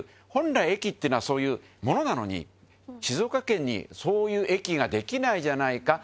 寨駅っていうのはそういうものなのに轍そういう駅ができないじゃないか。